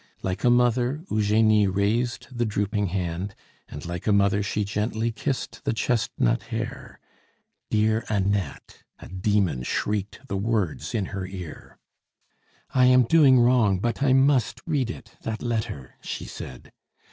Like a mother Eugenie raised the drooping hand, and like a mother she gently kissed the chestnut hair "Dear Annette!" a demon shrieked the words in her ear. "I am doing wrong; but I must read it, that letter," she said.